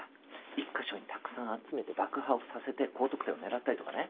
１か所にたくさん集めて爆破をさせて高得点を狙ったりとかね。